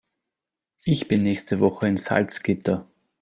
Ich bin nächste Woche in Salzgitter